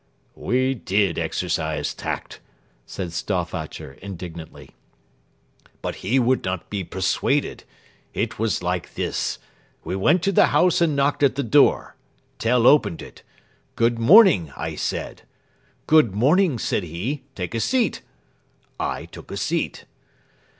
"We did exercise tact," said Stauffacher indignantly; "but he would not be persuaded. It was like this: We went to the house and knocked at the door. Tell opened it. 'Good morning,' I said. "'Good morning,' said he. 'Take a seat.' "I took a seat.